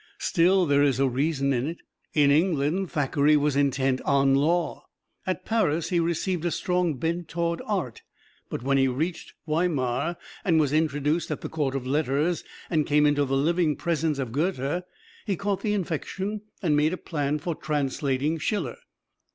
Still there is reason in it. In England Thackeray was intent on law; at Paris he received a strong bent toward art; but when he reached Weimar and was introduced at the Court of Letters and came into the living presence of Goethe, he caught the infection and made a plan for translating Schiller.